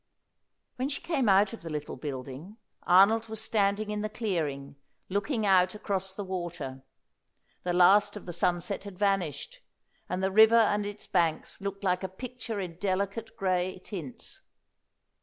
When she came out of the little building Arnold was standing in the clearing, looking out across the water. The last of the sunset had vanished, and the river and its banks looked like a picture in delicate grey tints.